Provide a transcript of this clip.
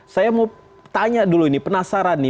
saya mau tanya dulu nih penasaran nih